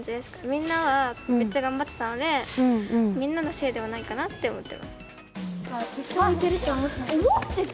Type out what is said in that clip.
みんなはめっちゃがんばってたのでみんなのせいではないかなって思ってます。